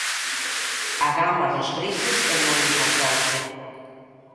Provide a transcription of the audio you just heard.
A gama dos grises é moi importante.